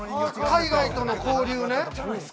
海外との交流ね。